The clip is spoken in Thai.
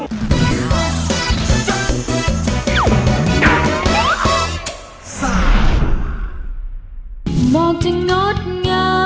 น้องไอคิวเด็กน้อยร้อยร้อยร่างคนนี้